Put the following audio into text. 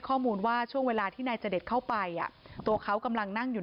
ข้อมูลว่าช่วงเวลาที่นายเจดเข้าไปอ่ะตัวเขากำลังนั่งอยู่